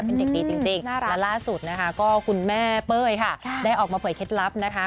เป็นเด็กดีจริงและล่าสุดนะคะก็คุณแม่เป้ยค่ะได้ออกมาเผยเคล็ดลับนะคะ